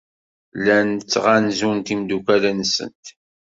Llant ttɣanzunt imeddukal-nsent.